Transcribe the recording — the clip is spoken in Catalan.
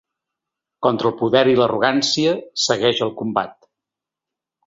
Contra el poder i l’arrogància, segueix el combat.